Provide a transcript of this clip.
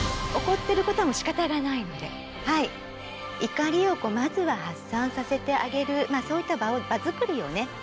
怒りをこうまずは発散させてあげるそういった場づくりをね。